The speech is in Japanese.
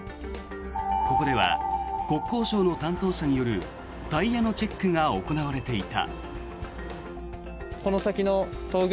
ここでは国交省の担当者によるタイヤのチェックが行われていた。